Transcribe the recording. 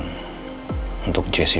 terning dengan relatah itu